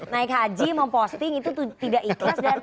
naik haji memposting itu tidak ikhlas